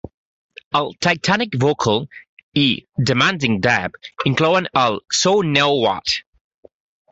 El "Titanic Vocal" i "Demanding Dub" inclouen el "So now what?"